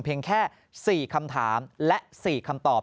แค่๔คำถามและ๔คำตอบ